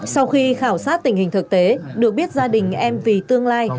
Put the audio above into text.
sau khi khảo sát tình hình thực tế được biết gia đình em vì tương lai